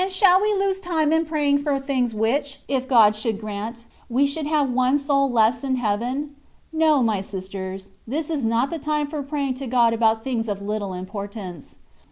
shall we lose time in praying for things which, if God should grant, we should have one soul less in Heaven ? No, my sisters ; this is not the time for praying to God about things of little im portance.